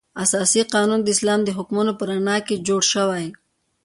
اساسي قانون د اسلام د حکمونو په رڼا کې جوړ شوی.